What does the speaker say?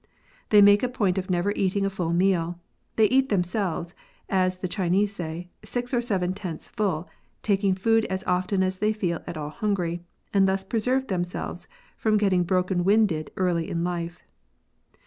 They make a point of never eating a full meal ; they eat themselves, as the Chinese say, six or seven tenths full, taking food as often as they feel at all hungry, and thus preserve themselves from getting broken winded early in life.